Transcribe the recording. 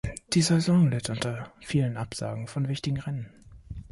Die Saison litt unter vielen Absagen von wichtigen Rennen.